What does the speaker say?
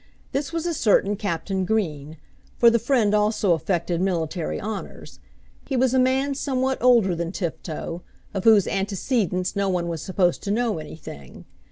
This was a certain Captain Green, for the friend also affected military honours. He was a man somewhat older than Tifto, of whose antecedents no one was supposed to know anything.